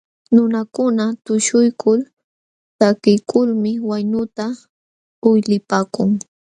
Nunakuna tuśhuykul takiykulmi waynuta uylipaakun.